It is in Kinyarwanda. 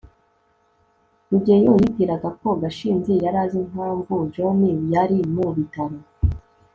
rugeyo yibwiraga ko gashinzi yari azi impamvu john yari mu bitaro